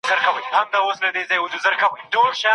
موږ نه بريالي کېږو.